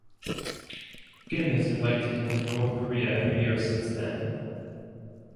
Kim has invited him to North Korea every year since then.